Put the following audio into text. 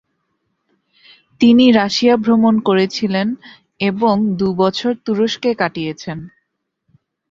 তিনি রাশিয়া ভ্রমণ করেছিলেন এবং দু'বছর তুরস্কে কাটিয়েছেন।